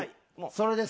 それです。